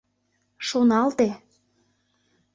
Шоналте!